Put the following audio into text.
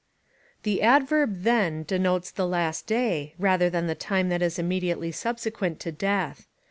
The adverb then denotes the last day, rather than the time that is immediately subsequent to death.